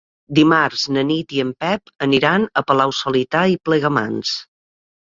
Dimarts na Nit i en Pep aniran a Palau-solità i Plegamans.